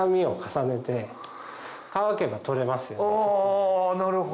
あなるほど！